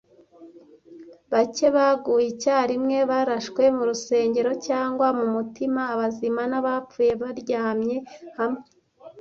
Bake baguye icyarimwe, barashwe murusengero cyangwa mumutima, abazima n'abapfuye baryamye hamwe,